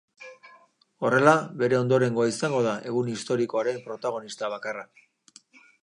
Horrela, bere ondorengoa izango da egun historikoaren protagonista bakarra.